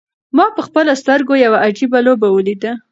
ما په خپلو سترګو یوه عجیبه لوبه ولیده.